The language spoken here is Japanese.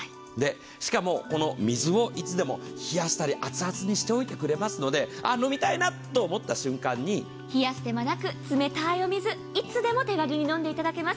しかもこの水をいつでも冷やしたり、熱々にしておいてくれますので飲みたいなと思った瞬間に冷やす手間なく冷たいお水を手軽に飲んでいただけます。